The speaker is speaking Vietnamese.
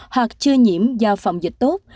hoặc chưa nhiễm do phòng dịch tốt